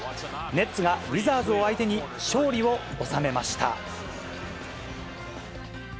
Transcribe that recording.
ネッツがウィザーズを相手に勝利を収めました。